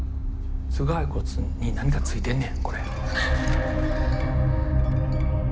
頭蓋骨に何かついてんねんこれ。